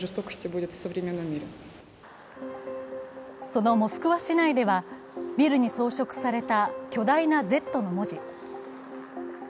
そのモスクワ市内では、ビルに装飾された巨大なＺの文字。